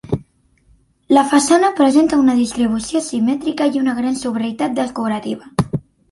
La façana presenta una distribució simètrica i una gran sobrietat decorativa.